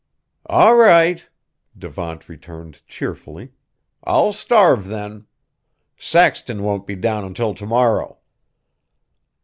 "All right," Devant returned cheerfully, "I'll starve then. Saxton won't be down until to morrow."